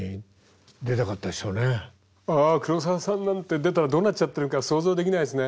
あ黒澤さんなんて出たらどうなっちゃってるか想像できないですね。